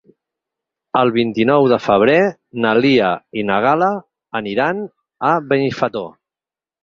El vint-i-nou de febrer na Lia i na Gal·la aniran a Benifato.